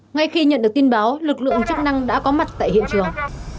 ngay khi nhận được tin báo lực lượng chức năng đã có mặt tại hiện trường